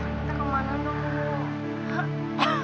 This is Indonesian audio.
kita kemana dulu